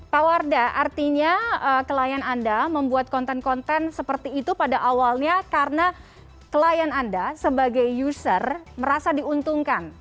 pak wardah artinya klien anda membuat konten konten seperti itu pada awalnya karena klien anda sebagai user merasa diuntungkan